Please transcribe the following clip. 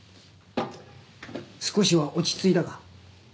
少しは落ち着いたか？